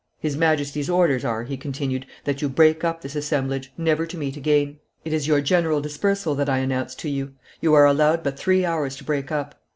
"His Majesty's orders are," he continued, "that you break up this assemblage, never to meet again. It is your general dispersal that I announce to you; you are allowed but three hours to break up."